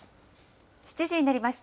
７時になりました。